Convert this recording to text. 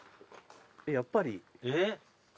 やっぱり？えっ？